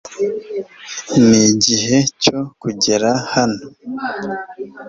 Nigihe cyo kugera hano